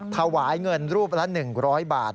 ถวายเงินรูปละ๑๐๐บาท